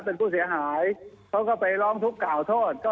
เป็นผู้เสียหายเขาก็ไปร้องทุกข์กล่าวโทษ